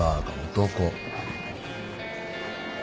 男。